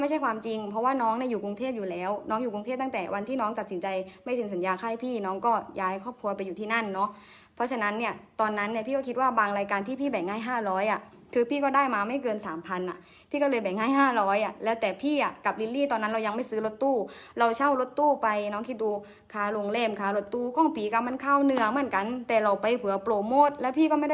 ให้ความจริงเพราะว่าน้องเนี่ยอยู่กรุงเทพอยู่แล้วน้องอยู่กรุงเทพตั้งแต่วันที่น้องจัดสินใจไม่สินสัญญาค่าให้พี่น้องก็ย้ายครอบครัวไปอยู่ที่นั่นเนาะเพราะฉะนั้นเนี่ยตอนนั้นเนี่ยพี่ก็คิดว่าบางรายการที่พี่แบ่งให้ห้าร้อยอ่ะคือพี่ก็ได้มาไม่เกินสามพันอ่ะพี่ก็เลยแบ่งให้ห้าร้อยอ่ะแล้วแต่พี่อ่ะ